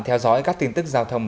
theo dõi các tin tức giao thông